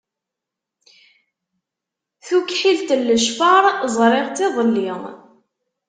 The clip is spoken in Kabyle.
Tukḥilt n lecfar, ẓriɣ-tt iḍelli.